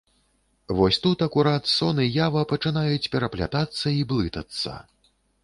Вось тут акурат сон і ява пачынаюць пераплятацца і блытацца.